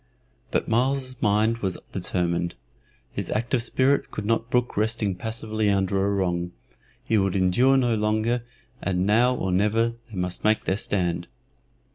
But Myles's mind was determined; his active spirit could not brook resting passively under a wrong; he would endure no longer, and now or never they must make their stand.